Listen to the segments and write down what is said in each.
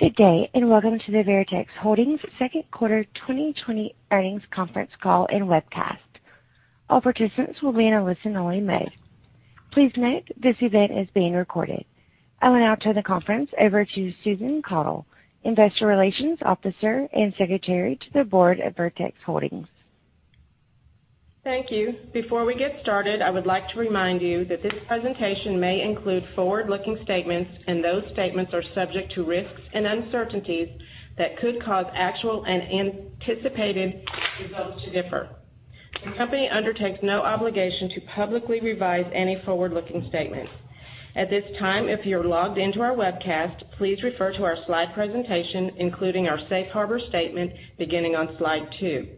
Good day, and welcome to the Veritex Holdings Second Quarter 2020 Earnings Conference Call and Webcast. All participants will be in a listen-only mode. Please note, this event is being recorded. I will now turn the conference over to Susan Caudle, Investor Relations Officer and Secretary to the Board of Veritex Holdings. Thank you. Before we get started, I would like to remind you that this presentation may include forward-looking statements, and those statements are subject to risks and uncertainties that could cause actual and anticipated results to differ. The company undertakes no obligation to publicly revise any forward-looking statements. At this time, if you're logged into our webcast, please refer to our slide presentation, including our safe harbor statement, beginning on slide 2.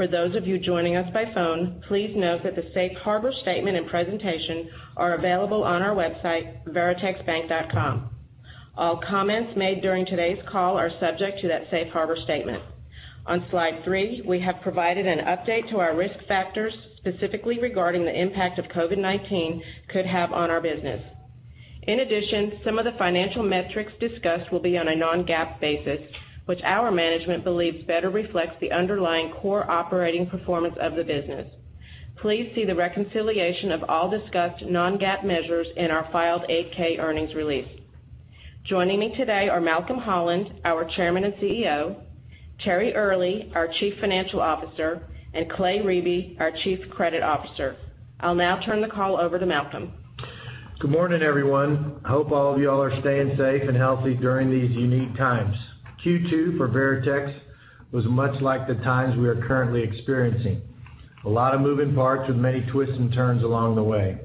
For those of you joining us by phone, please note that the safe harbor statement and presentation are available on our website, veritexbank.com. All comments made during today's call are subject to that safe harbor statement. On slide 3, we have provided an update to our risk factors, specifically regarding the impact of COVID-19 could have on our business. In addition, some of the financial metrics discussed will be on a non-GAAP basis, which our management believes better reflects the underlying core operating performance of the business. Please see the reconciliation of all discussed non-GAAP measures in our filed 8-K earnings release. Joining me today are Malcolm Holland, our Chairman and CEO, Terry Earley, our Chief Financial Officer, and Clay Riebe, our Chief Credit Officer. I'll now turn the call over to Malcolm. Good morning, everyone. I hope all of y'all are staying safe and healthy during these unique times. Q2 for Veritex was much like the times we are currently experiencing, a lot of moving parts with many twists and turns along the way.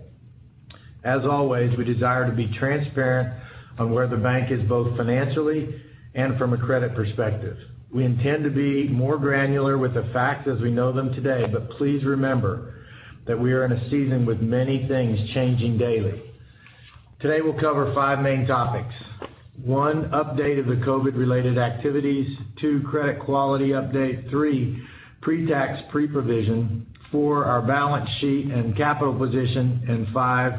As always, we desire to be transparent on where the bank is both financially and from a credit perspective. We intend to be more granular with the facts as we know them today, but please remember that we are in a season with many things changing daily. Today, we'll cover five main topics. One, update of the COVID-related activities. Two, credit quality update. Three, pre-tax pre-provision. Four, our balance sheet and capital position, and five,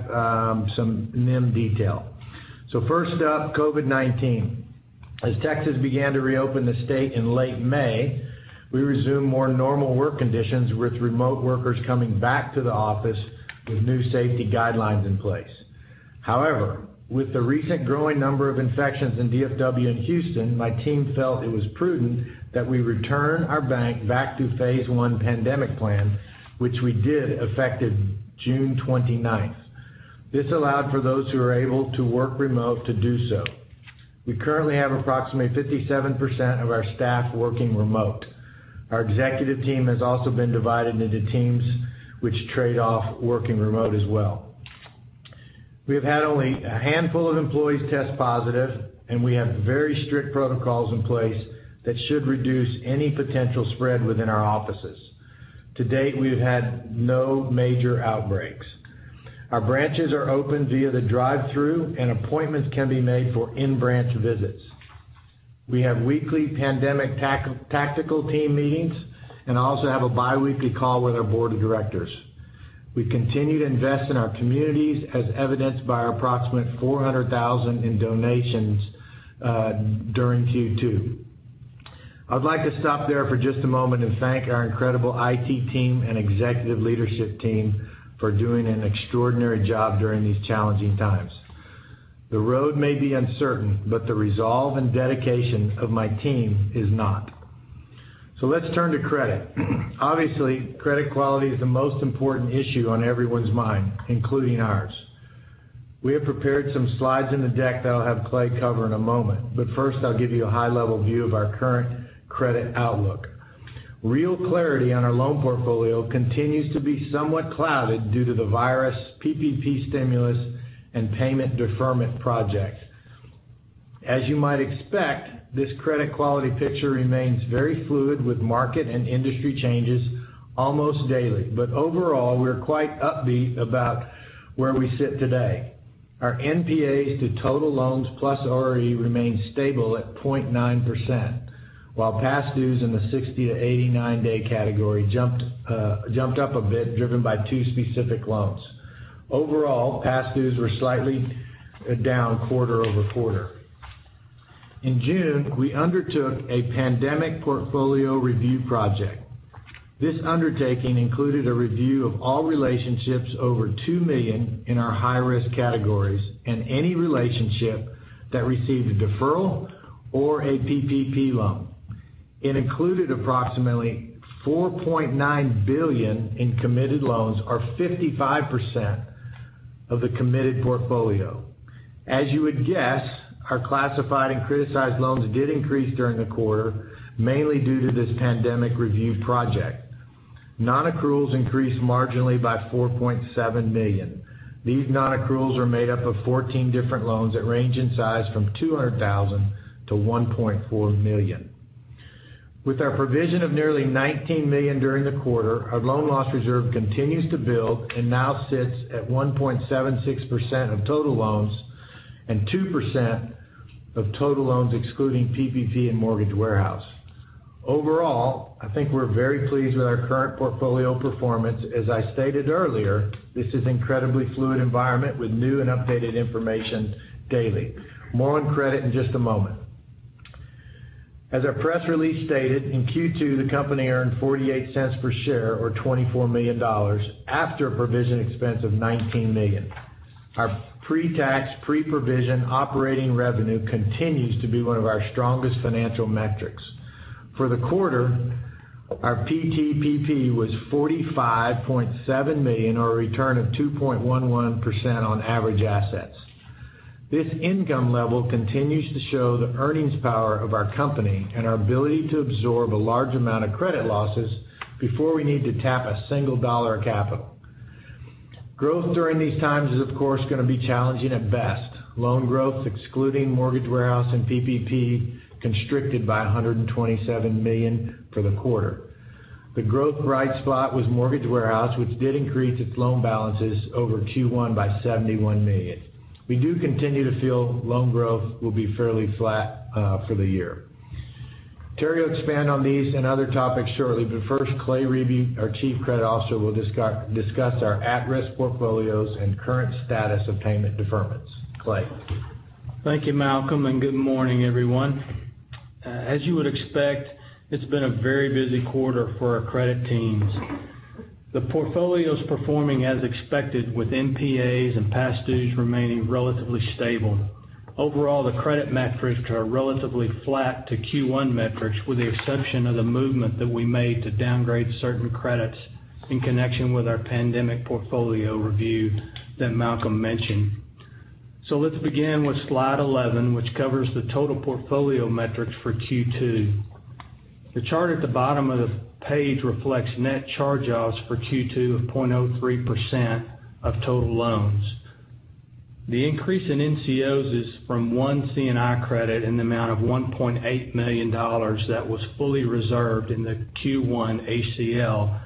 some NIM detail. First up, COVID-19. As Texas began to reopen the state in late May, we resumed more normal work conditions with remote workers coming back to the office with new safety guidelines in place. However, with the recent growing number of infections in DFW and Houston, my team felt it was prudent that we return our bank back to phase I pandemic plan, which we did effective June 29th. This allowed for those who are able to work remote to do so. We currently have approximately 57% of our staff working remote. Our executive team has also been divided into teams which trade off working remote as well. We have had only a handful of employees test positive, and we have very strict protocols in place that should reduce any potential spread within our offices. To date, we've had no major outbreaks. Our branches are open via the drive-thru, and appointments can be made for in-branch visits. We have weekly pandemic tactical team meetings and also have a biweekly call with our board of directors. We continue to invest in our communities, as evidenced by our approximate $400,000 in donations during Q2. I'd like to stop there for just a moment and thank our incredible IT team and executive leadership team for doing an extraordinary job during these challenging times. The road may be uncertain, but the resolve and dedication of my team is not. Let's turn to credit. Obviously, credit quality is the most important issue on everyone's mind, including ours. We have prepared some slides in the deck that I'll have Clay cover in a moment, but first I'll give you a high-level view of our current credit outlook. Real clarity on our loan portfolio continues to be somewhat clouded due to the virus, PPP stimulus, and payment deferment projects. As you might expect, this credit quality picture remains very fluid with market and industry changes almost daily. Overall, we're quite upbeat about where we sit today. Our NPAs to total loans plus RE remains stable at 0.9%, while past dues in the 60-89-day category jumped up a bit, driven by two specific loans. Overall, past dues were slightly down quarter-over-quarter. In June, we undertook a pandemic portfolio review project. This undertaking included a review of all relationships over $2 million in our high-risk categories and any relationship that received a deferral or a PPP loan. It included approximately $4.9 billion in committed loans, or 55% of the committed portfolio. As you would guess, our classified and criticized loans did increase during the quarter, mainly due to this pandemic review project. Non-accruals increased marginally by $4.7 million. These non-accruals are made up of 14 different loans that range in size from $200,000-$1.4 million. With our provision of nearly $19 million during the quarter, our loan loss reserve continues to build and now sits at 1.76% of total loans and 2% of total loans excluding PPP and Mortgage Warehouse. Overall, I think we're very pleased with our current portfolio performance. As I stated earlier, this is incredibly fluid environment with new and updated information daily. More on credit in just a moment. As our press release stated, in Q2, the company earned $0.48 per share or $24 million after a provision expense of $19 million. Our pre-tax, pre-provision operating revenue continues to be one of our strongest financial metrics. For the quarter, our PTPP was $45.7 million or a return of 2.11% on average assets. This income level continues to show the earnings power of our company and our ability to absorb a large amount of credit losses before we need to tap a single dollar of capital. Growth during these times is, of course, going to be challenging at best. Loan growth, excluding Mortgage Warehouse and PPP, constricted by $127 million for the quarter. The growth bright spot was Mortgage Warehouse, which did increase its loan balances over Q1 by $71 million. We do continue to feel loan growth will be fairly flat for the year. Terry will expand on these and other topics shortly, but first, Clay Riebe, our Chief Credit Officer, will discuss our at-risk portfolios and current status of payment deferments. Clay? Thank you, Malcolm. Good morning, everyone. As you would expect, it's been a very busy quarter for our credit teams. The portfolio's performing as expected, with NPAs and past dues remaining relatively stable. Overall, the credit metrics are relatively flat to Q1 metrics, with the exception of the movement that we made to downgrade certain credits in connection with our pandemic portfolio review that Malcolm mentioned. Let's begin with slide 11, which covers the total portfolio metrics for Q2. The chart at the bottom of the page reflects net charge-offs for Q2 of 0.03% of total loans. The increase in NCOs is from one C&I credit in the amount of $1.8 million that was fully reserved in the Q1 ACL,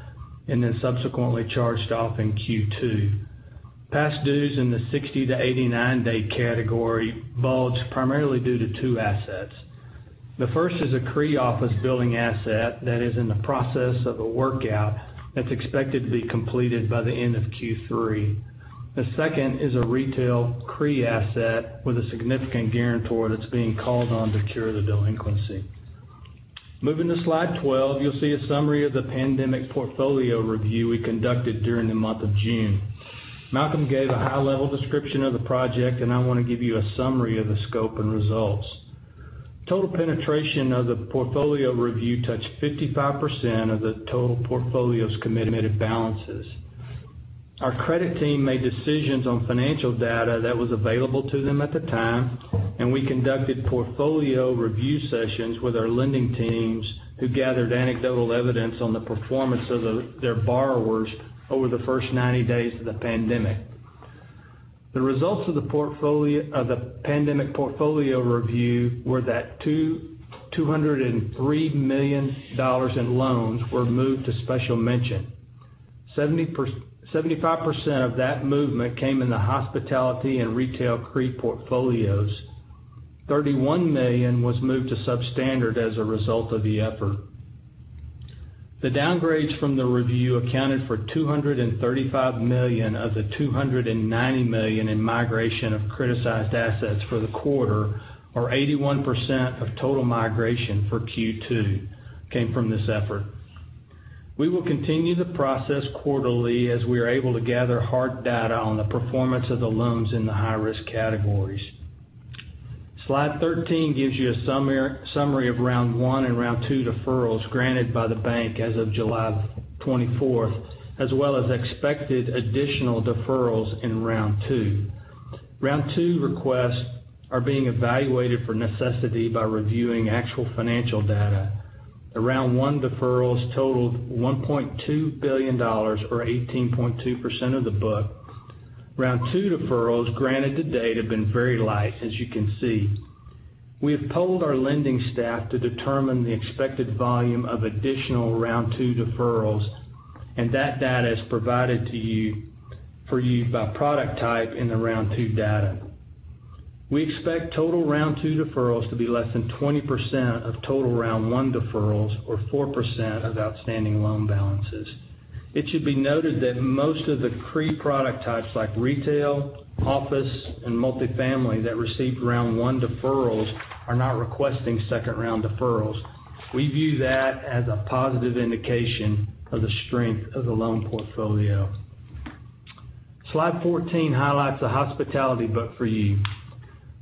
and then subsequently charged off in Q2. Past dues in the 60-89-day category bulged primarily due to two assets. The first is a CRE office building asset that is in the process of a workout that's expected to be completed by the end of Q3. The second is a retail CRE asset with a significant guarantor that's being called on to cure the delinquency. Moving to slide 12, you'll see a summary of the pandemic portfolio review we conducted during the month of June. Malcolm gave a high-level description of the project, and I want to give you a summary of the scope and results. Total penetration of the portfolio review touched 55% of the total portfolio's committed balances. Our credit team made decisions on financial data that was available to them at the time, and we conducted portfolio review sessions with our lending teams who gathered anecdotal evidence on the performance of their borrowers over the first 90 days of the pandemic. The results of the pandemic portfolio review were that $203 million in loans were moved to special mention. 75% of that movement came in the hospitality and retail CRE portfolios, $31 million was moved to substandard as a result of the effort. The downgrades from the review accounted for $235 million of the $290 million in migration of criticized assets for the quarter, or 81% of total migration for Q2 came from this effort. We will continue the process quarterly as we are able to gather hard data on the performance of the loans in the high-risk categories. Slide 13 gives you a summary Round 1 and Round 2 deferrals granted by the bank as of July 24th, as well as expected additional deferrals in Round 2. Round 2 requests are being evaluated for necessity by reviewing actual financial data. The Round 1 deferrals totaled $1.2 billion, or 18.2% of the book. Round 2 deferrals granted to date have been very light, as you can see. We have polled our lending staff to determine the expected volume of additional Round 2 deferrals, and that data is provided for you by product type in the Round 2 data. We expect total Round 2 deferrals to be less than 20% of total Round 1 deferrals or 4% of outstanding loan balances. It should be noted that most of the CRE product types like retail, office, and multifamily that received Round 1 deferrals are not requesting second-round deferrals. We view that as a positive indication of the strength of the loan portfolio. Slide 14 highlights the hospitality book for you.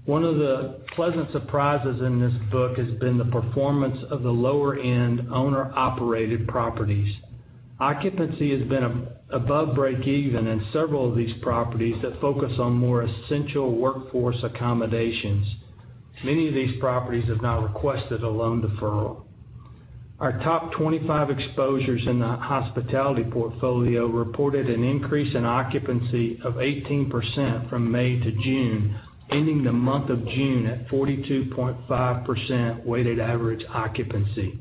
One of the pleasant surprises in this book has been the performance of the lower-end owner-operated properties. Occupancy has been above break even in several of these properties that focus on more essential workforce accommodations. Many of these properties have not requested a loan deferral. Our top 25 exposures in the hospitality portfolio reported an increase in occupancy of 18% from May to June, ending the month of June at 42.5% weighted average occupancy.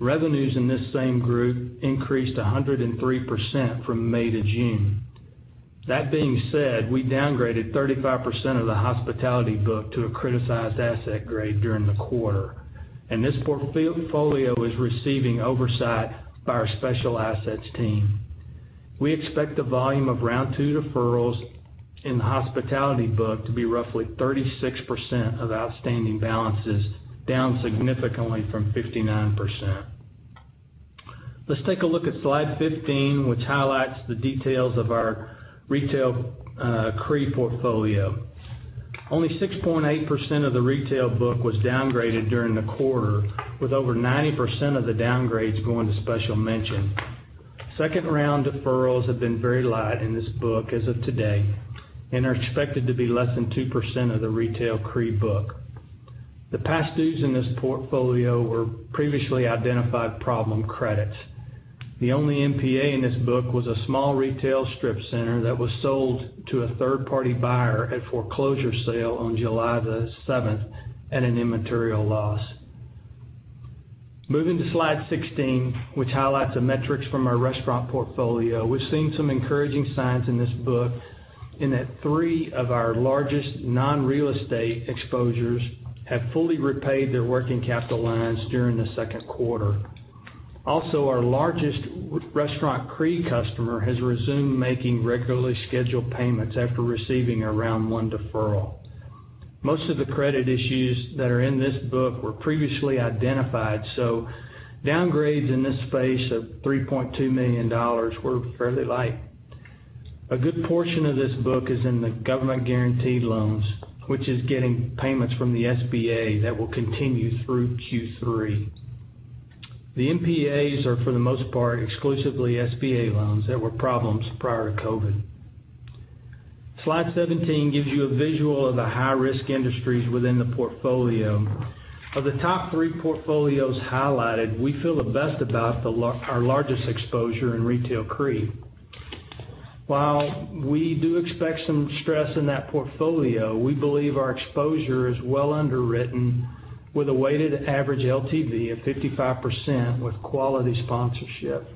Revenues in this same group increased 103% from May to June. That being said, we downgraded 35% of the hospitality book to a criticized asset grade during the quarter, and this portfolio is receiving oversight by our special assets team. We expect the volume of Round 2 deferrals in the hospitality book to be roughly 36% of outstanding balances, down significantly from 59%. Let's take a look at slide 15, which highlights the details of our retail CRE portfolio. Only 6.8% of the retail book was downgraded during the quarter, with over 90% of the downgrades going to special mention. Second round deferrals have been very light in this book as of today, and are expected to be less than 2% of the retail CRE book. The past dues in this portfolio were previously identified problem credits. The only NPA in this book was a small retail strip center that was sold to a third-party buyer at foreclosure sale on July the 7th at an immaterial loss. Moving to slide 16, which highlights the metrics from our restaurant portfolio. We've seen some encouraging signs in this book in that three of our largest non-real estate exposures have fully repaid their working capital lines during the second quarter. Also, our largest restaurant CRE customer has resumed making regularly scheduled payments after receiving a Round 1 deferral. Most of the credit issues that are in this book were previously identified, so downgrades in this space of $3.2 million were fairly light. A good portion of this book is in the government-guaranteed loans, which is getting payments from the SBA that will continue through Q3. The NPAs are, for the most part, exclusively SBA loans that were problems prior to COVID-19. Slide 17 gives you a visual of the high-risk industries within the portfolio. Of the top three portfolios highlighted, we feel the best about our largest exposure in retail CRE. While we do expect some stress in that portfolio, we believe our exposure is well underwritten with a weighted average LTV of 55% with quality sponsorship.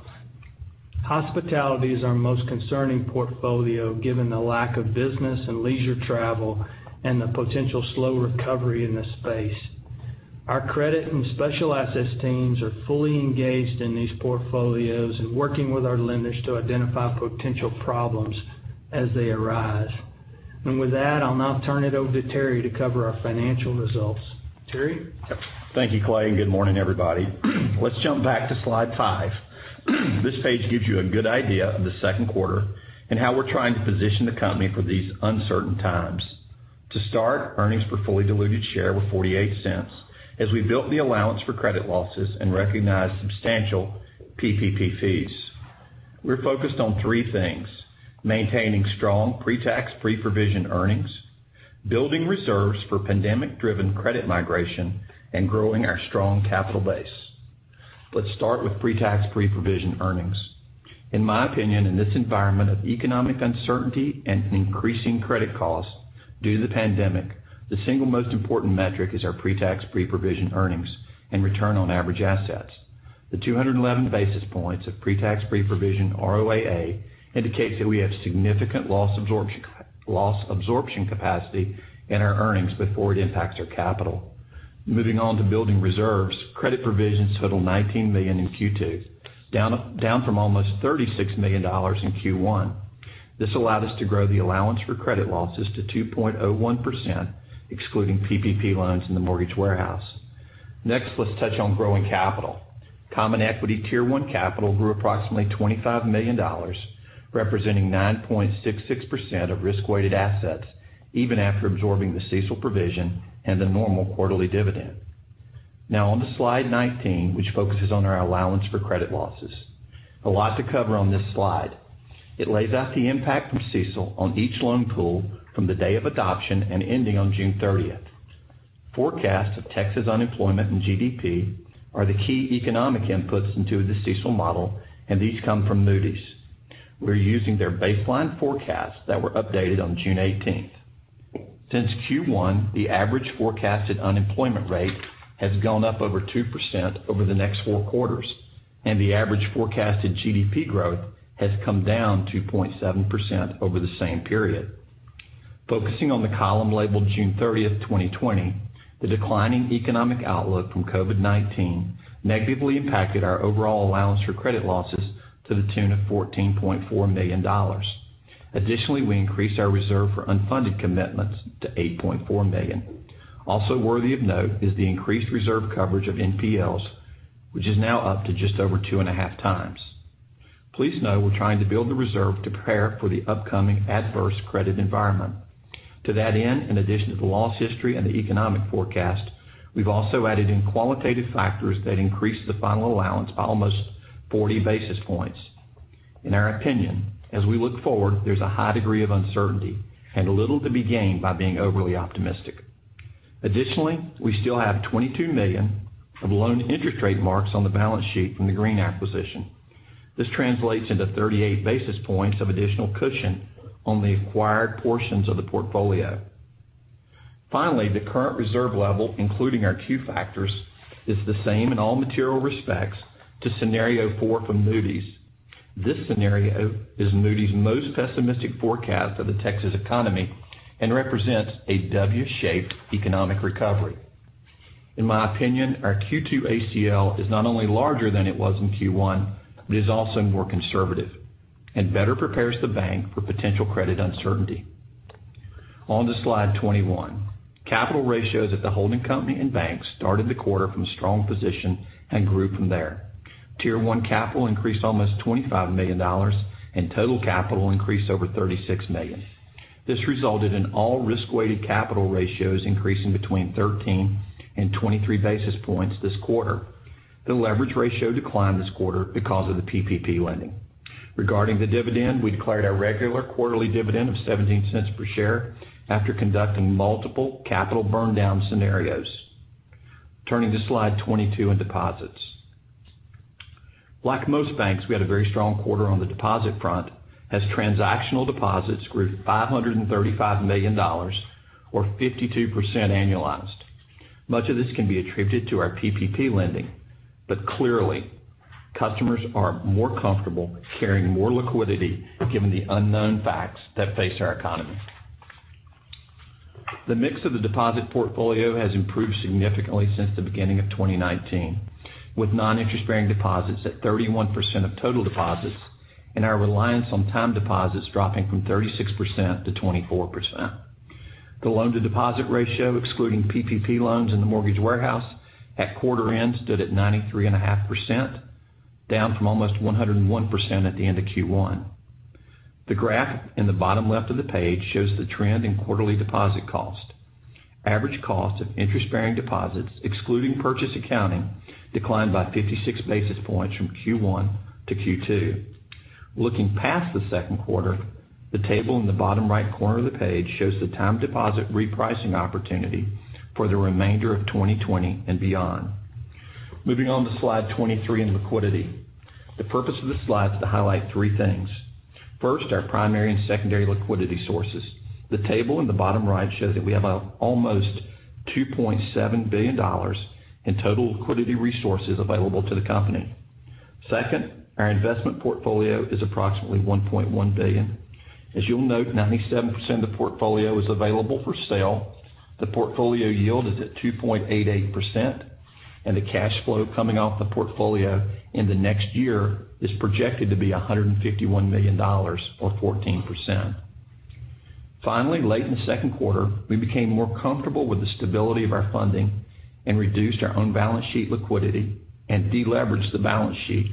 Hospitality is our most concerning portfolio, given the lack of business in leisure travel and the potential slow recovery in this space. Our credit and special assets teams are fully engaged in these portfolios and working with our lenders to identify potential problems as they arise. With that, I'll now turn it over to Terry to cover our financial results. Terry? Thank you, Clay. Good morning, everybody. Let's jump back to slide 5. This page gives you a good idea of the second quarter and how we're trying to position the company for these uncertain times. To start, earnings per fully diluted share were $0.48 as we built the allowance for credit losses and recognized substantial PPP fees. We're focused on three things: maintaining strong pre-tax, pre-provision earnings, building reserves for pandemic-driven credit migration, and growing our strong capital base. Let's start with pre-tax, pre-provision earnings. In my opinion, in this environment of economic uncertainty and increasing credit costs due to the pandemic, the single most important metric is our pre-tax, pre-provision earnings and return on average assets. The 211 basis points of pre-tax, pre-provision ROAA indicates that we have significant loss absorption capacity in our earnings before it impacts our capital. Moving on to building reserves, credit provisions total $19 million in Q2, down from almost $36 million in Q1. This allowed us to grow the allowance for credit losses to 2.01%, excluding PPP loans and the Mortgage Warehouse. Let's touch on growing capital. Common equity tier-one capital grew approximately $25 million, representing 9.66% of risk-weighted assets, even after absorbing the CECL provision and the normal quarterly dividend. On to slide 19, which focuses on our allowance for credit losses. A lot to cover on this slide. It lays out the impact from CECL on each loan pool from the day of adoption and ending on June 30th. Forecasts of Texas unemployment and GDP are the key economic inputs into the CECL model, and these come from Moody's. We're using their baseline forecasts that were updated on June 18th. Since Q1, the average forecasted unemployment rate has gone up over 2% over the next four quarters, and the average forecasted GDP growth has come down 2.7% over the same period. Focusing on the column labeled June 30th, 2020, the declining economic outlook from COVID-19 negatively impacted our overall allowance for credit losses to the tune of $14.4 million. Additionally, we increased our reserve for unfunded commitments to $8.4 million. Also worthy of note is the increased reserve coverage of NPLs, which is now up to just over two and a half times. Please know we're trying to build the reserve to prepare for the upcoming adverse credit environment. To that end, in addition to the loss history and the economic forecast, we've also added in qualitative factors that increase the final allowance by almost 40 basis points. In our opinion, as we look forward, there's a high degree of uncertainty and little to be gained by being overly optimistic. Additionally, we still have $22 million of loan interest rate marks on the balance sheet from the Green acquisition. This translates into 38 basis points of additional cushion on the acquired portions of the portfolio. Finally, the current reserve level, including our Q factors, is the same in all material respects to scenario 4 from Moody's. This scenario is Moody's most pessimistic forecast of the Texas economy and represents a W-shaped economic recovery. In my opinion, our Q2 ACL is not only larger than it was in Q1, but is also more conservative and better prepares the bank for potential credit uncertainty. On to slide 21. Capital ratios at the holding company and bank started the quarter from a strong position and grew from there. Tier 1 capital increased almost $25 million. Total capital increased over $36 million. This resulted in all risk-weighted capital ratios increasing between 13 and 23 basis points this quarter. The leverage ratio declined this quarter because of the PPP lending. Regarding the dividend, we declared our regular quarterly dividend of $0.17 per share after conducting multiple capital burndown scenarios. Turning to slide 22 and deposits. Like most banks, we had a very strong quarter on the deposit front, as transactional deposits grew to $535 million, or 52% annualized. Much of this can be attributed to our PPP lending. Clearly, customers are more comfortable carrying more liquidity given the unknown facts that face our economy. The mix of the deposit portfolio has improved significantly since the beginning of 2019, with non-interest bearing deposits at 31% of total deposits and our reliance on time deposits dropping from 36% to 24%. The loan to deposit ratio, excluding PPP loans in the Mortgage Warehouse at quarter end stood at 93.5%, down from almost 101% at the end of Q1. The graph in the bottom left of the page shows the trend in quarterly deposit cost. Average cost of interest-bearing deposits, excluding purchase accounting, declined by 56 basis points from Q1 to Q2. Looking past the second quarter, the table in the bottom right corner of the page shows the time deposit repricing opportunity for the remainder of 2020 and beyond. Moving on to slide 23 in liquidity. The purpose of this slide is to highlight three things. First, our primary and secondary liquidity sources. The table in the bottom right shows that we have almost $2.7 billion in total liquidity resources available to the company. Second, our investment portfolio is approximately $1.1 billion. As you'll note, 97% of the portfolio is available for sale. The portfolio yield is at 2.88%, and the cash flow coming off the portfolio in the next year is projected to be $151 million, or 14%. Finally, late in the second quarter, we became more comfortable with the stability of our funding and reduced our own balance sheet liquidity and de-leveraged the balance sheet.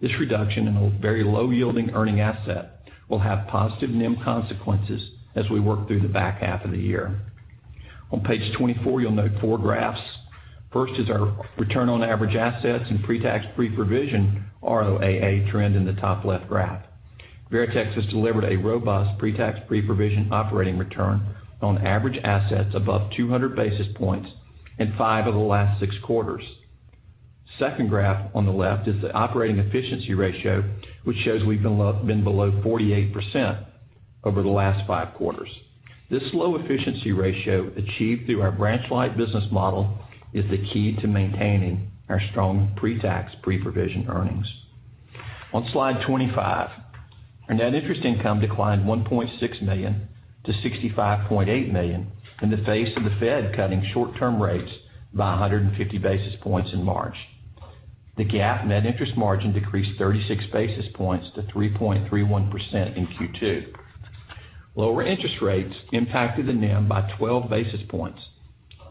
This reduction in a very low yielding earning asset will have positive NIM consequences as we work through the back half of the year. On page 24, you'll note four graphs. First is our return on average assets and pre-tax, pre-provision ROAA trend in the top left graph. Veritex has delivered a robust pre-tax, pre-provision operating return on average assets above 200 basis points in five of the last six quarters. Second graph on the left is the operating efficiency ratio, which shows we've been below 48% over the last five quarters. This low efficiency ratio, achieved through our branch-light business model, is the key to maintaining our strong pre-tax, pre-provision earnings. On slide 25, our net interest income declined $1.6 million to $65.8 million in the face of the Fed cutting short-term rates by 150 basis points in March. The GAAP net interest margin decreased 36 basis points to 3.31% in Q2. Lower interest rates impacted the NIM by 12 basis points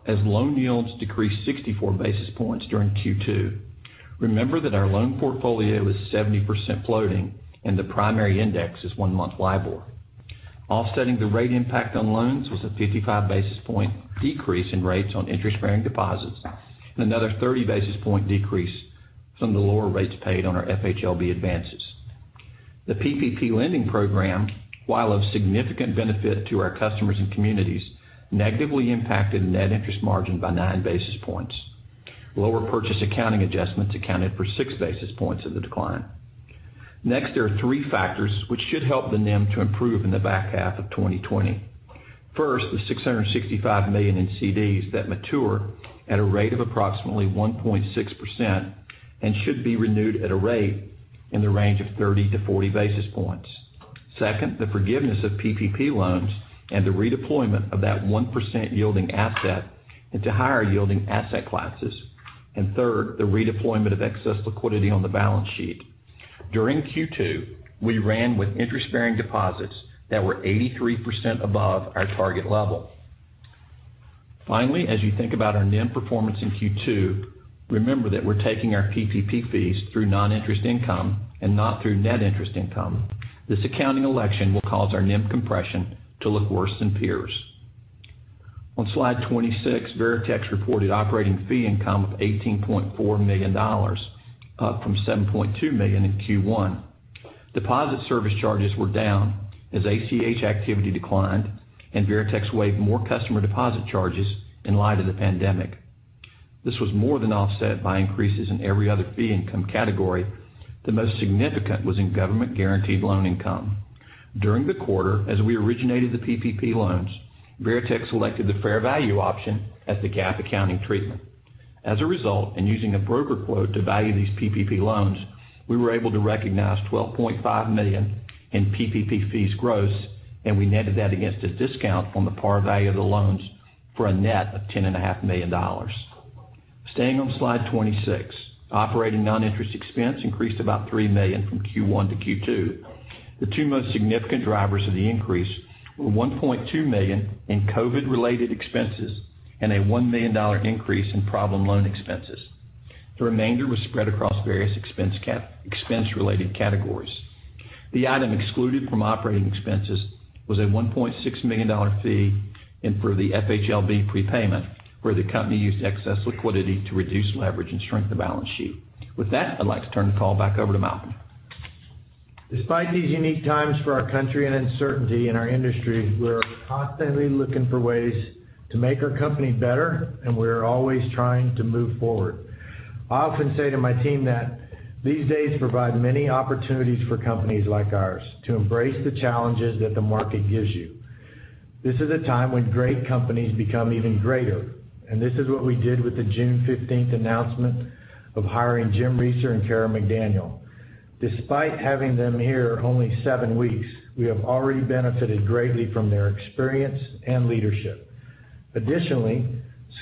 as loan yields decreased 64 basis points during Q2. Remember that our loan portfolio is 70% floating and the primary index is one-month LIBOR. Offsetting the rate impact on loans was a 55 basis point decrease in rates on interest-bearing deposits and another 30 basis point decrease from the lower rates paid on our FHLB advances. The PPP lending program, while of significant benefit to our customers and communities, negatively impacted net interest margin by nine basis points. Lower purchase accounting adjustments accounted for six basis points of the decline. Next, there are three factors which should help the NIM to improve in the back half of 2020. First, the $665 million in CDs that mature at a rate of approximately 1.6% and should be renewed at a rate in the range of 30-40 basis points. Second, the forgiveness of PPP loans and the redeployment of that 1% yielding asset into higher yielding asset classes. Third, the redeployment of excess liquidity on the balance sheet. During Q2, we ran with interest-bearing deposits that were 83% above our target level. Finally, as you think about our NIM performance in Q2, remember that we're taking our PPP fees through non-interest income and not through net interest income. This accounting election will cause our NIM compression to look worse than peers. On slide 26, Veritex reported operating fee income of $18.4 million, up from $7.2 million in Q1. Deposit service charges were down as ACH activity declined and Veritex waived more customer deposit charges in light of the pandemic. This was more than offset by increases in every other fee income category. The most significant was in government-guaranteed loan income. During the quarter, as we originated the PPP loans, Veritex selected the fair value option as the GAAP accounting treatment. As a result, using a broker quote to value these PPP loans, we were able to recognize $12.5 million in PPP fees gross, and we netted that against a discount on the par value of the loans for a net of $10.5 million. Staying on slide 26, operating non-interest expense increased about $3 million from Q1 to Q2. The two most significant drivers of the increase were $1.2 million in COVID-related expenses and a $1 million increase in problem loan expenses. The remainder was spread across various expense-related categories. The item excluded from operating expenses was a $1.6 million fee in for the FHLB prepayment, where the company used excess liquidity to reduce leverage and shrink the balance sheet. With that, I'd like to turn the call back over to Malcolm. Despite these unique times for our country and uncertainty in our industry, we're constantly looking for ways to make our company better, and we're always trying to move forward. I often say to my team that these days provide many opportunities for companies like ours to embrace the challenges that the market gives you. This is a time when great companies become even greater, and this is what we did with the June 15th announcement of hiring Jim Recer and Cara McDaniel. Despite having them here only seven weeks, we have already benefited greatly from their experience and leadership. Additionally,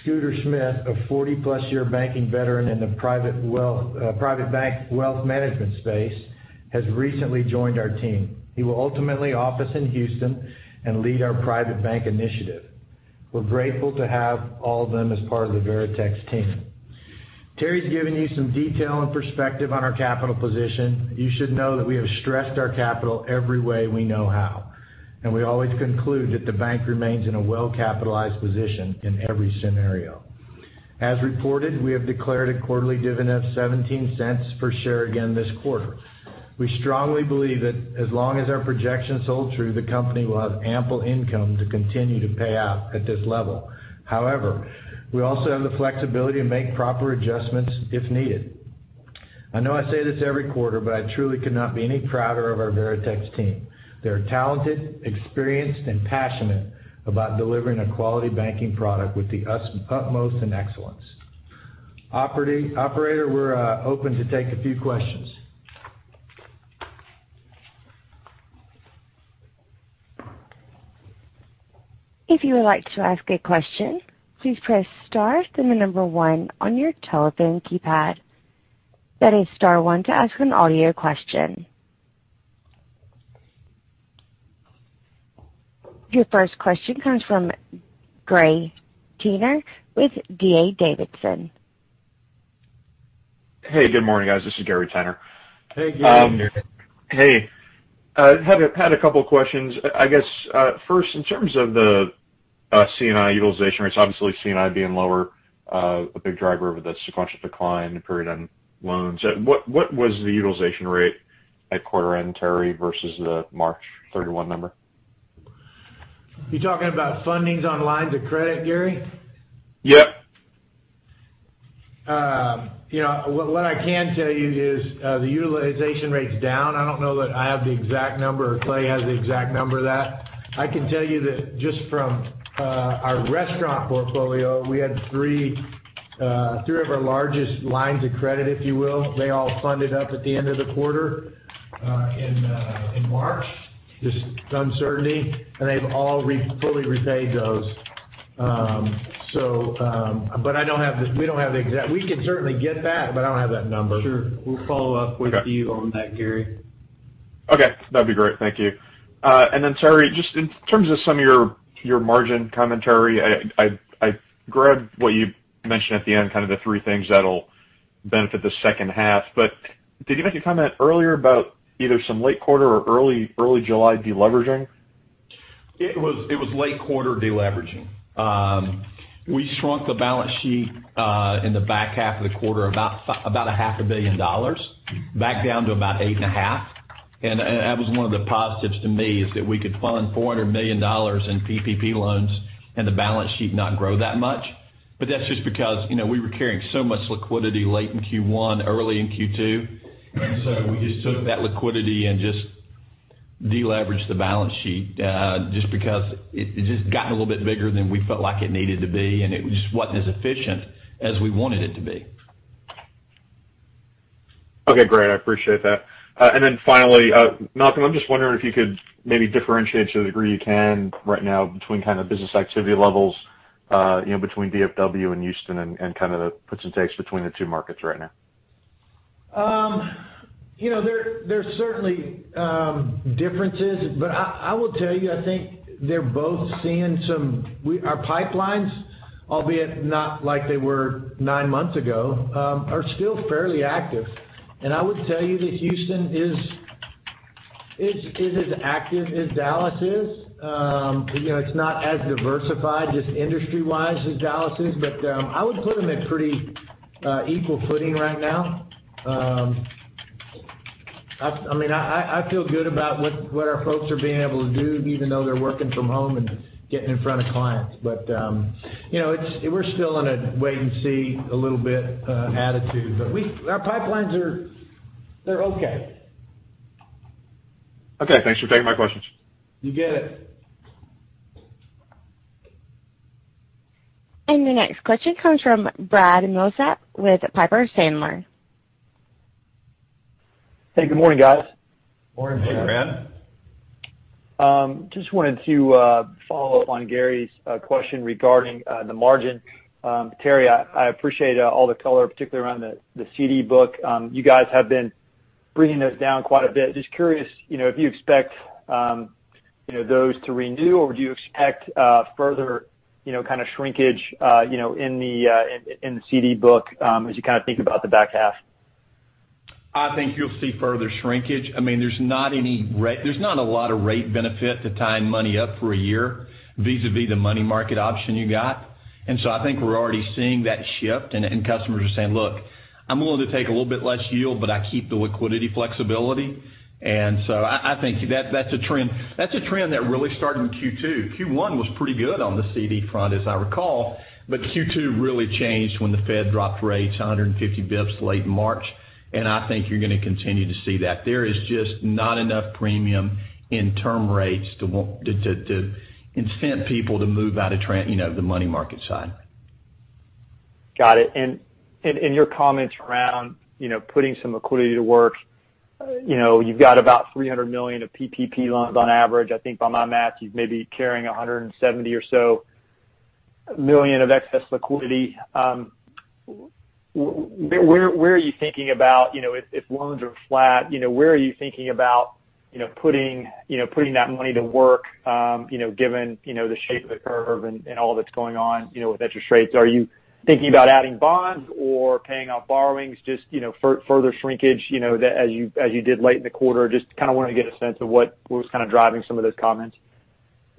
Scooter Smith, a 40-plus year banking veteran in the Private Banking wealth management space, has recently joined our team. He will ultimately office in Houston and lead our Private Banking initiative. We're grateful to have all of them as part of the Veritex team. Terry's given you some detail and perspective on our capital position. You should know that we have stressed our capital every way we know how, and we always conclude that the bank remains in a well-capitalized position in every scenario. As reported, we have declared a quarterly dividend of $0.17 per share again this quarter. We strongly believe that as long as our projections hold true, the company will have ample income to continue to pay out at this level. However, we also have the flexibility to make proper adjustments if needed. I know I say this every quarter, but I truly could not be any prouder of our Veritex team. They're talented, experienced, and passionate about delivering a quality banking product with the utmost in excellence. Operator, we're open to take a few questions. If you would like to ask a question, please press star, then the number one on your telephone keypad. That is star one to ask an audio question. Your first question comes from Gary Tenner with D.A. Davidson. Hey, good morning, guys. This is Gary Tenner. Hey, Gary. Hey. Had a couple questions. I guess, first, in terms of the C&I utilization rates, obviously C&I being lower, a big driver of the sequential decline period on loans. What was the utilization rate at quarter end, Terry, versus the March 31 number? You're talking about fundings on lines of credit, Gary? Yep. What I can tell you is, the utilization rate's down. I don't know that I have the exact number, or Clay has the exact number of that. I can tell you that just from our restaurant portfolio, we had three of our largest lines of credit, if you will. They all funded up at the end of the quarter in March, this uncertainty, and they've all fully repaid those. We can certainly get that, but I don't have that number. Sure. We'll follow up with you on that, Gary. Okay. That'd be great. Thank you. Terry, just in terms of some of your margin commentary, I grabbed what you mentioned at the end, kind of the three things that'll benefit the second half. Did you make a comment earlier about either some late quarter or early July de-leveraging? It was late quarter de-leveraging. We shrunk the balance sheet in the back half of the quarter, about a half a billion dollars, back down to about eight and a half. That was one of the positives to me, is that we could fund $400 million in PPP loans and the balance sheet not grow that much. That's just because we were carrying so much liquidity late in Q1, early in Q2. We just took that liquidity and just de-leveraged the balance sheet, just because it just gotten a little bit bigger than we felt like it needed to be, and it just wasn't as efficient as we wanted it to be. Okay, great. I appreciate that. Finally, Malcolm, I'm just wondering if you could maybe differentiate to the degree you can right now between kind of business activity levels between DFW and Houston and kind of the puts and takes between the two markets right now. There's certainly differences, but I will tell you, I think they're both seeing, our pipelines, albeit not like they were 9 months ago, are still fairly active. I would tell you that Houston is as active as Dallas is. It's not as diversified, just industry-wise as Dallas is, but I would put them at pretty equal footing right now. I feel good about what our folks are being able to do, even though they're working from home and getting in front of clients. We're still in a wait and see a little bit attitude. Our pipelines are okay. Okay. Thanks for taking my questions. You get it. The next question comes from Brad Milsaps with Piper Sandler. Hey, good morning, guys. Morning, Brad. Hey, Brad. Just wanted to follow up on Gary's question regarding the margin. Terry, I appreciate all the color, particularly around the CD book. You guys have been bringing those down quite a bit. Just curious, if you expect those to renew or do you expect further kind of shrinkage in the CD book as you kind of think about the back half? I think you'll see further shrinkage. There's not a lot of rate benefit to tying money up for a year vis-à-vis the money market option you got. I think we're already seeing that shift, and customers are saying, "Look, I'm willing to take a little bit less yield, but I keep the liquidity flexibility." I think that's a trend. That's a trend that really started in Q2. Q1 was pretty good on the CD front, as I recall, but Q2 really changed when the Fed dropped rates 150 basis points late March, and I think you're going to continue to see that. There is just not enough premium in term rates to incent people to move out of the money market side. Got it. Your comments around putting some liquidity to work. You've got about $300 million of PPP loans on average. I think by my math, you've maybe carrying $170 or so million of excess liquidity. If loans are flat, where are you thinking about putting that money to work given the shape of the curve and all that's going on with interest rates? Are you thinking about adding bonds or paying off borrowings, just further shrinkage as you did late in the quarter? Just kind of wanted to get a sense of what was kind of driving some of those comments.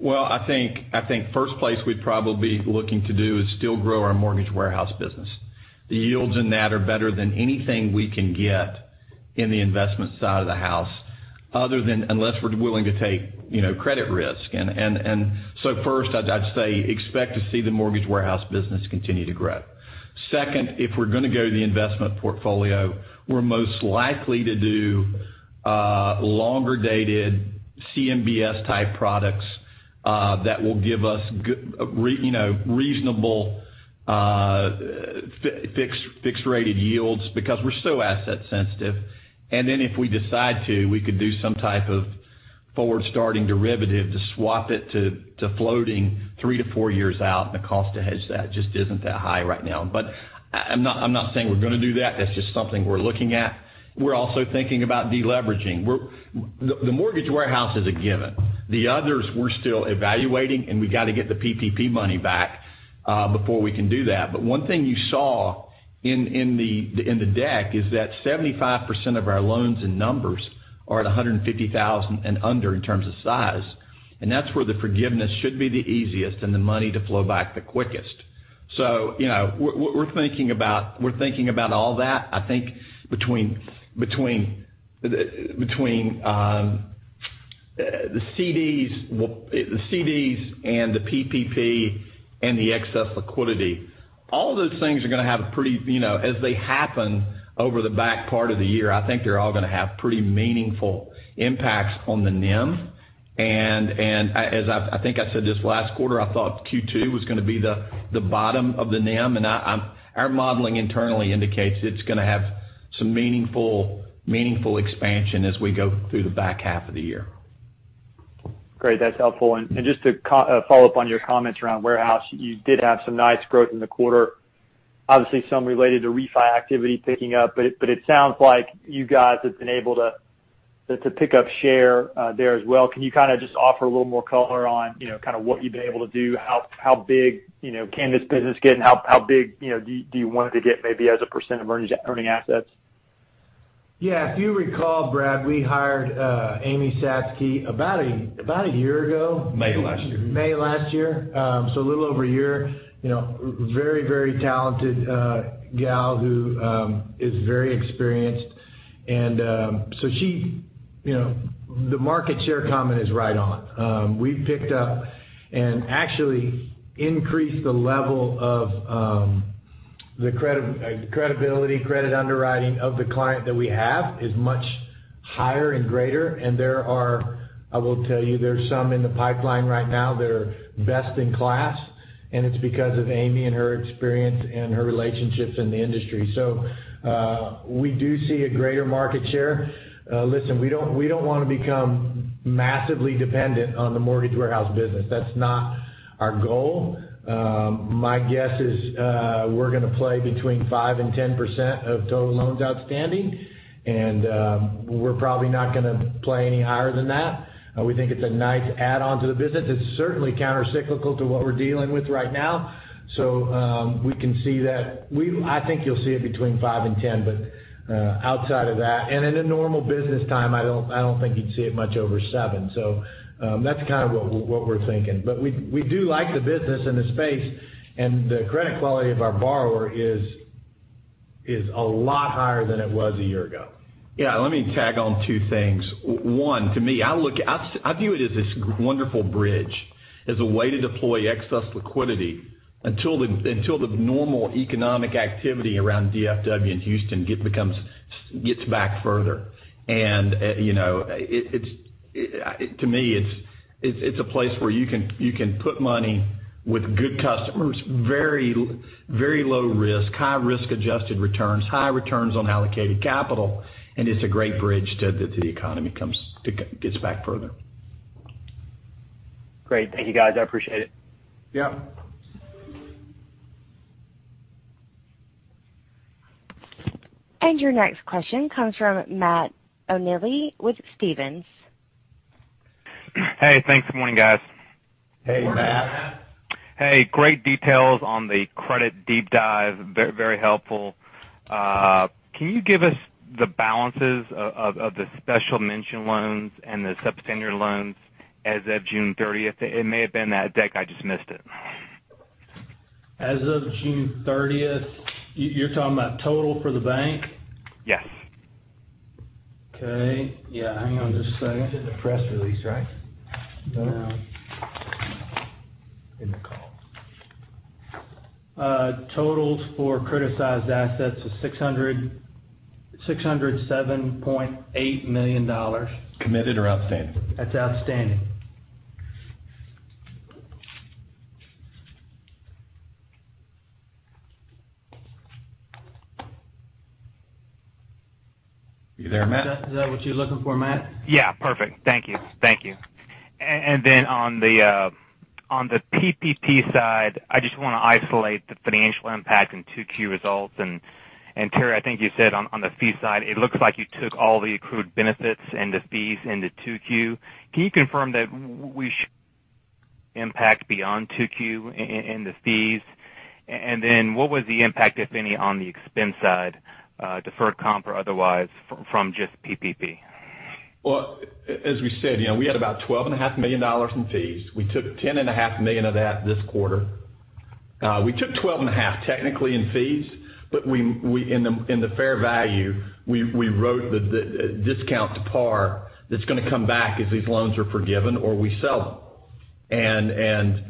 I think first place we'd probably be looking to do is still grow our Mortgage Warehouse business. The yields in that are better than anything we can get in the investment side of the house other than unless we're willing to take credit risk. First, I'd say expect to see the Mortgage Warehouse business continue to grow. Second, if we're going to go to the investment portfolio, we're most likely to do longer-dated CMBS type products that will give us reasonable fixed rated yields because we're so asset sensitive. If we decide to, we could do some type of forward starting derivative to swap it to floating 3-4 years out, and the cost to hedge that just isn't that high right now. I'm not saying we're going to do that. That's just something we're looking at. We're also thinking about de-leveraging. The Mortgage Warehouse is a given. The others, we're still evaluating, and we got to get the PPP money back before we can do that. One thing you saw in the deck is that 75% of our loans and numbers are at 150,000 and under in terms of size, and that's where the forgiveness should be the easiest and the money to flow back the quickest. We're thinking about all that. I think between the CDs and the PPP and the excess liquidity, as they happen over the back part of the year, I think they're all going to have pretty meaningful impacts on the NIM. As I think I said this last quarter, I thought Q2 was going to be the bottom of the NIM, and our modeling internally indicates it's going to have some meaningful expansion as we go through the back half of the year. Great. That's helpful. Just to follow up on your comments around warehouse, you did have some nice growth in the quarter, obviously some related to refi activity picking up. It sounds like you guys have been able to pick up share there as well. Can you kind of just offer a little more color on kind of what you've been able to do? How big can this business get, and how big do you want it to get maybe as a percent of earnings earning assets? Yeah, if you recall, Brad, we hired Amy Satsky about a year ago. May of last year. May last year. A little over a year. Very talented gal who is very experienced. The market share comment is right on. We've picked up and actually increased the level of the credibility, credit underwriting of the client that we have is much higher and greater, and I will tell you, there's some in the pipeline right now that are best in class, and it's because of Amy and her experience and her relationships in the industry. We do see a greater market share. Listen, we don't want to become massively dependent on the Mortgage Warehouse business. That's not our goal. My guess is we're going to play between 5% and 10% of total loans outstanding, and we're probably not going to play any higher than that. We think it's a nice add-on to the business. It's certainly countercyclical to what we're dealing with right now. We can see that. I think you'll see it between 5% and 10%, but outside of that. In a normal business time, I don't think you'd see it much over 7%. That's kind of what we're thinking. We do like the business and the space, and the credit quality of our borrower is a lot higher than it was a year ago. Yeah, let me tag on two things. One, to me, I view it as this wonderful bridge, as a way to deploy excess liquidity until the normal economic activity around DFW and Houston gets back further. To me, it's a place where you can put money with good customers, very low risk, high risk-adjusted returns, high returns on allocated capital, and it's a great bridge till the economy gets back further. Great. Thank you, guys. I appreciate it. Yeah. Your next question comes from Matt Olney with Stephens. Hey, thanks. Good morning, guys. Hey, Matt. Morning, Matt. Hey, great details on the credit deep dive. Very helpful. Can you give us the balances of the special mention loans and the substandard loans as of June 30th? It may have been in that deck, I just missed it. As of June 30th, you're talking about total for the bank? Yes. Okay. Yeah, hang on just a second. It's in the press release, right? No. In the call. Totals for criticized assets is $607.8 million. Committed or outstanding? That's outstanding. You there, Matt? Is that what you're looking for, Matt? Yeah, perfect. Thank you. On the PPP side, I just want to isolate the financial impact in 2Q results. Terry, I think you said on the fee side, it looks like you took all the accrued benefits and the fees into 2Q. Can you confirm that we impact beyond 2Q in the fees? What was the impact, if any, on the expense side, deferred comp or otherwise, from just PPP? As we said, we had about $12.5 million in fees. We took $10.5 million of that this quarter. We took $12.5 technically in fees, but in the fair value, we wrote the discount to par that's going to come back if these loans are forgiven or we sell them.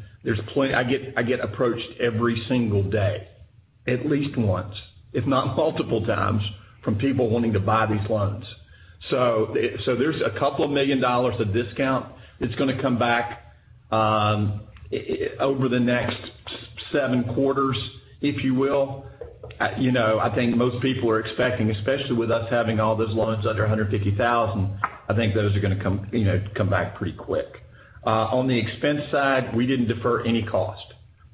I get approached every single day, at least once, if not multiple times, from people wanting to buy these loans. There's a couple of million dollars of discount that's going to come back over the next seven quarters, if you will. I think most people are expecting, especially with us having all those loans under $150,000, I think those are going to come back pretty quick. On the expense side, we didn't defer any cost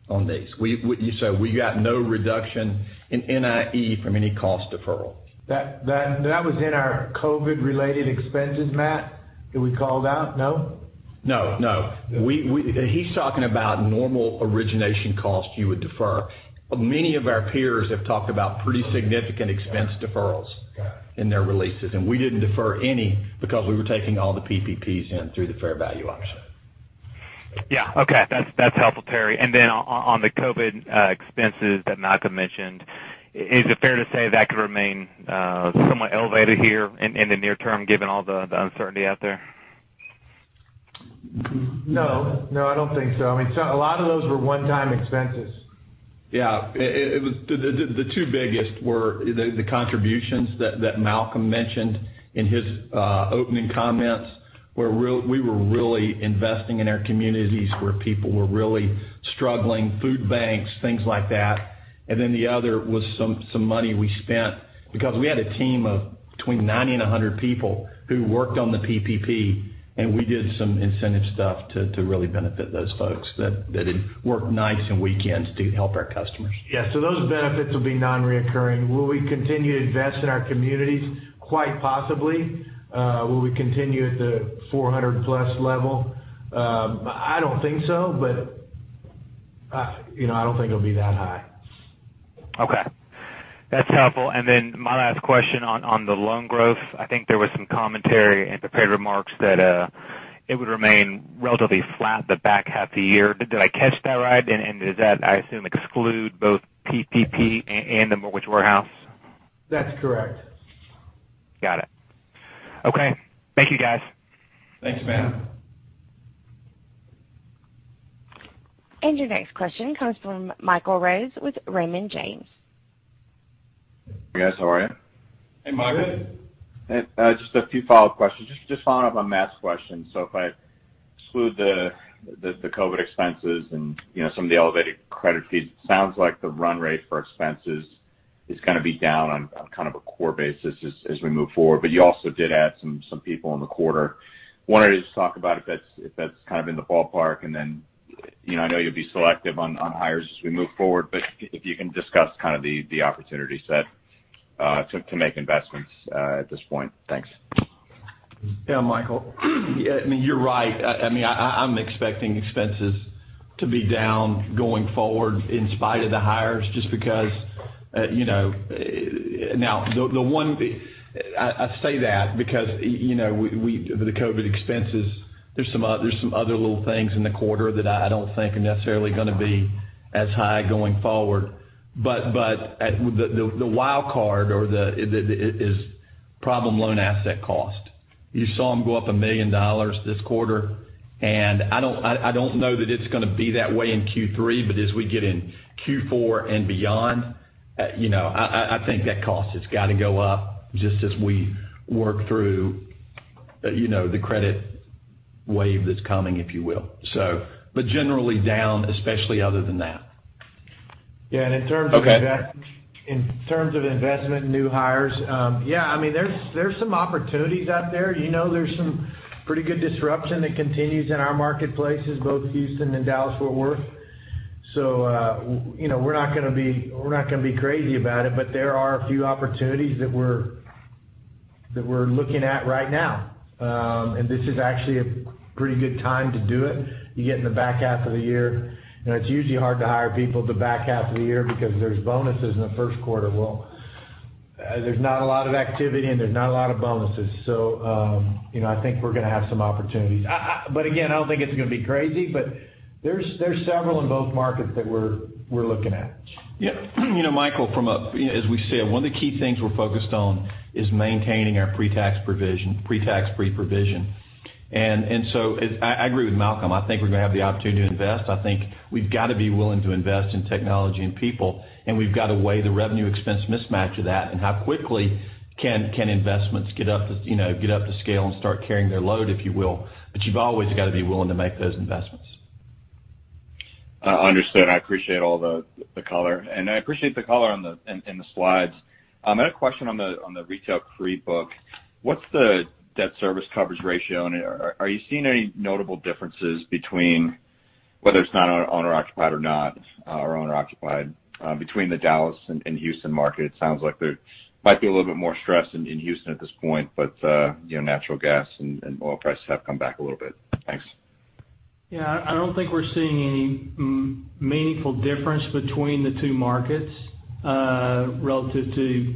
on these. We got no reduction in NIE from any cost deferral. That was in our COVID-related expenses, Matt, that we called out? No? No. He's talking about normal origination costs you would defer. Many of our peers have talked about pretty significant expense deferrals- Got it. -in their releases, and we didn't defer any because we were taking all the PPPs in through the fair value option. Yeah. Okay. That's helpful, Terry. Then on the COVID expenses that Malcolm mentioned, is it fair to say that could remain somewhat elevated here in the near term, given all the uncertainty out there? No, I don't think so. A lot of those were one-time expenses. The two biggest were the contributions that Malcolm mentioned in his opening comments, where we were really investing in our communities where people were really struggling, food banks, things like that. The other was some money we spent because we had a team of between 90 and 100 people who worked on the PPP, and we did some incentive stuff to really benefit those folks that had worked nights and weekends to help our customers. Yeah. Those benefits will be non-recurring. Will we continue to invest in our communities? Quite possibly. Will we continue at the 400-plus level? I don't think so, but I don't think it'll be that high. Okay. That's helpful. Then my last question on the loan growth, I think there was some commentary in prepared remarks that it would remain relatively flat the back half of the year. Did I catch that right? Does that, I assume, exclude both PPP and the Mortgage Warehouse? That's correct. Got it. Okay. Thank you, guys. Thanks, Matt. Your next question comes from Michael Rose with Raymond James. Hey, guys. How are you? Hey, Michael. Good. Just a few follow-up questions. Just following up on Matt's question. If I exclude the COVID expenses and some of the elevated credit fees, it sounds like the run rate for expenses is going to be down on kind of a core basis as we move forward, but you also did add some people in the quarter. Wanted to just talk about if that's kind of in the ballpark, and then, I know you'll be selective on hires as we move forward, but if you can discuss the opportunity set to make investments at this point. Thanks. Yeah, Michael. You're right. I'm expecting expenses to be down going forward in spite of the hires. I say that because the COVID-19 expenses, there's some other little things in the quarter that I don't think are necessarily going to be as high going forward. The wild card is problem loan asset cost. You saw them go up $1 million this quarter, and I don't know that it's going to be that way in Q3, but as we get in Q4 and beyond, I think that cost has got to go up just as we work through the credit wave that's coming, if you will. Generally down, especially other than that. Yeah. Okay. In terms of investment, new hires, there's some opportunities out there. There's some pretty good disruption that continues in our marketplaces, both Houston and Dallas-Fort Worth. We're not going to be crazy about it, but there are a few opportunities that we're looking at right now. This is actually a pretty good time to do it. You get in the back half of the year, and it's usually hard to hire people at the back half of the year because there's bonuses in the first quarter. There's not a lot of activity, and there's not a lot of bonuses. I think we're going to have some opportunities. Again, I don't think it's going to be crazy, but there's several in both markets that we're looking at. Yeah. Michael, as we said, one of the key things we're focused on is maintaining our pre-tax pre-provision. I agree with Malcolm. I think we're going to have the opportunity to invest. I think we've got to be willing to invest in technology and people, and we've got to weigh the revenue expense mismatch of that and how quickly can investments get up to scale and start carrying their load, if you will. You've always got to be willing to make those investments. Understood. I appreciate all the color, and I appreciate the color in the slides. I had a question on the retail CRE book. What's the debt service coverage ratio, and are you seeing any notable differences between whether it's not owner-occupied or not, or owner-occupied, between the Dallas and Houston market? It sounds like there might be a little bit more stress in Houston at this point, but natural gas and oil prices have come back a little bit. Thanks. Yeah, I don't think we're seeing any meaningful difference between the two markets relative to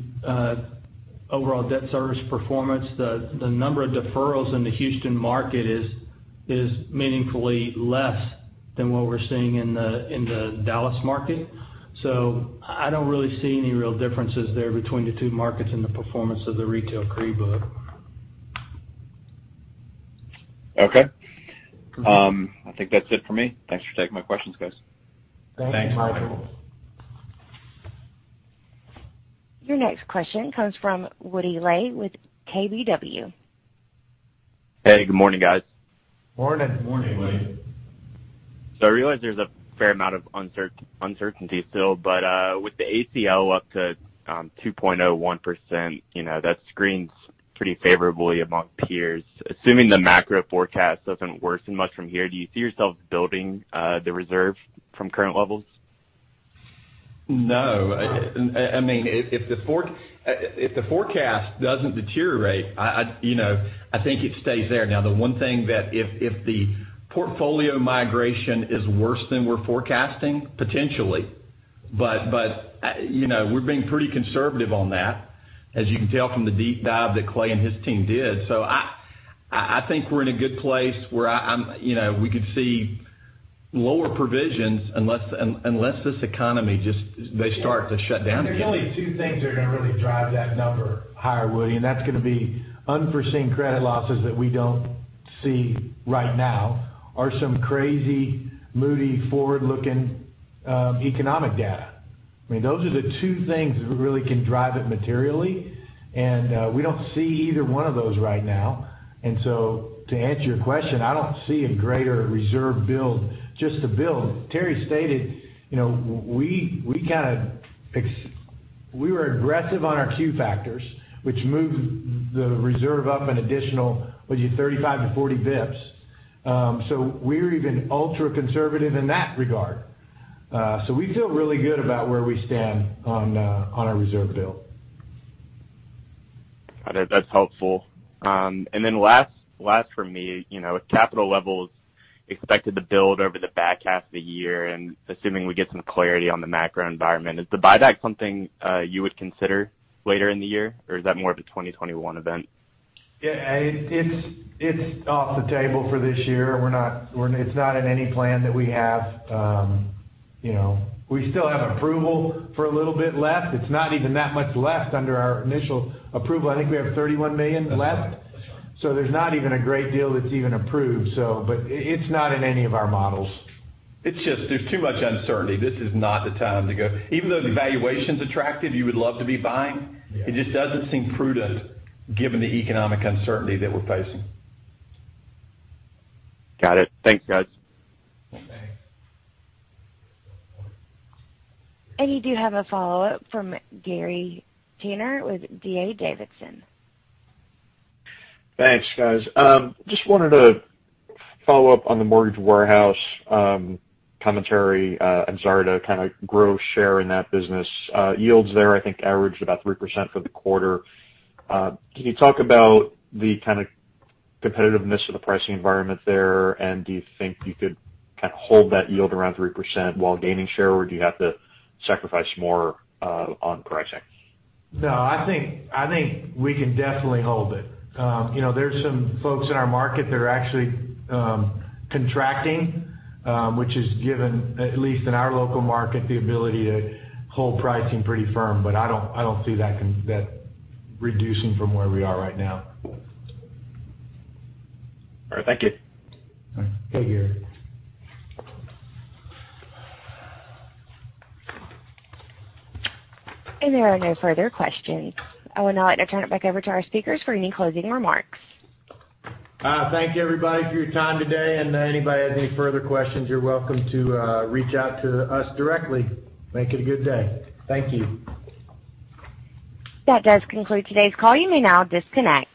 overall debt service performance. The number of deferrals in the Houston market is meaningfully less than what we're seeing in the Dallas market. I don't really see any real differences there between the two markets and the performance of the retail CRE book. Okay. I think that's it for me. Thanks for taking my questions, guys. Thanks, Michael. Thanks, Michael. Your next question comes from Woody Lay with KBW. Hey, good morning, guys. Morning. Morning, Woody. I realize there's a fair amount of uncertainty still, but with the ACL up to 2.01%, that screens pretty favorably among peers. Assuming the macro forecast doesn't worsen much from here, do you see yourself building the reserve from current levels? No. If the forecast doesn't deteriorate, I think it stays there. The one thing that if the portfolio migration is worse than we're forecasting, potentially. We're being pretty conservative on that, as you can tell from the deep dive that Clay and his team did. I think we're in a good place where we could see lower provisions unless this economy they start to shut down again. There's only two things that are going to really drive that number higher, Woody, that's going to be unforeseen credit losses that we don't see right now or some crazy Moody's forward-looking economic data. Those are the two things that really can drive it materially, we don't see either one of those right now. To answer your question, I don't see a greater reserve build just to build. Terry stated we were aggressive on our Q factors, which moved the reserve up an additional 35-40 basis points. We're even ultra-conservative in that regard. We feel really good about where we stand on our reserve build. That's helpful. Last from me, with capital levels expected to build over the back half of the year and assuming we get some clarity on the macro environment, is the buyback something you would consider later in the year, or is that more of a 2021 event? It's off the table for this year. It's not in any plan that we have. We still have approval for a little bit left. It's not even that much left under our initial approval. I think we have $31 million left. There's not even a great deal that's even approved. It's not in any of our models. There's too much uncertainty. This is not the time to go. Even though the valuation's attractive, you would love to be buying, it just doesn't seem prudent given the economic uncertainty that we're facing. Got it. Thanks, guys. Okay. You do have a follow-up from Gary Tenner with D.A. Davidson. Thanks, guys. Just wanted to follow up on the Mortgage Warehouse commentary and start to kind of grow share in that business. Yields there, I think, averaged about 3% for the quarter. Can you talk about the kind of competitiveness of the pricing environment there, and do you think you could kind of hold that yield around 3% while gaining share, or do you have to sacrifice more on pricing? I think we can definitely hold it. There's some folks in our market that are actually contracting, which has given, at least in our local market, the ability to hold pricing pretty firm. I don't see that reducing from where we are right now. All right. Thank you. Thank you, Gary. There are no further questions. I would now like to turn it back over to our speakers for any closing remarks. Thank you, everybody, for your time today. Anybody has any further questions, you're welcome to reach out to us directly. Make it a good day. Thank you. That does conclude today's call. You may now disconnect.